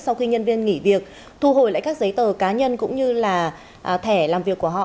sau khi nhân viên nghỉ việc thu hồi lại các giấy tờ cá nhân cũng như là thẻ làm việc của họ